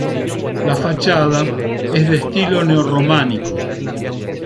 La fachada es de estilo neorrománico.